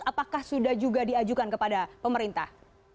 apakah sudah juga diajukan kepada pemerintah